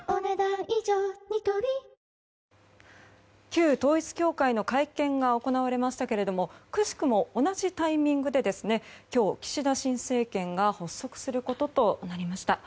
旧統一教会の会見が行われましたけれどもくしくも同じタイミングで今日、岸田新政権が発足することとなりました。